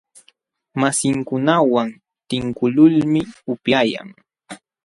Masinkunawan tinkuqlulmi upyayan.